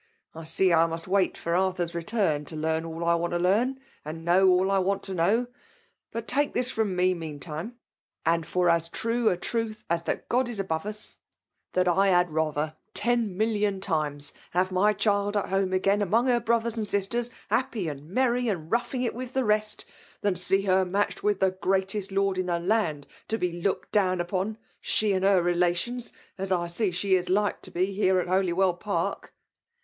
I see I must wait for Arthur's return to learn all I want to leant, and know all I want to know ; but take ^^ from me, meantime, and for as true a ttutb «fs Ihat God is above us, — that I had rather ten million times have my diild at home again among her brothers and sisters, happy and merry, and roughing it with the rest, thatt s^ her matched with tiie greatest lo^d id the FIBMALE t>OMll^AT'IO^. 781 land, to be looked down upon, she and her rdatjons, as I see she is Hke to be, here st Holjwell Park."